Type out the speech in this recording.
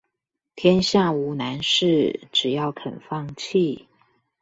天下無難事，只要肯放棄